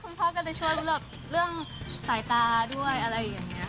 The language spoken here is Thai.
พ่อก็จะช่วยแบบเรื่องสายตาด้วยอะไรอย่างนี้